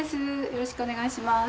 よろしくお願いします